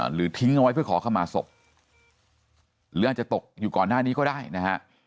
ทิ้งเอาไว้เพื่อขอเข้ามาศพหรืออาจจะตกอยู่ก่อนหน้านี้ก็ได้นะฮะ